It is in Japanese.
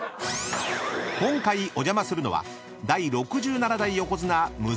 ［今回お邪魔するのは第６７代横綱武蔵丸